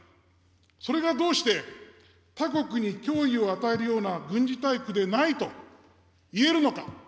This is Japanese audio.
それがどうして他国に脅威を与えるような軍事大国でないといえるのか。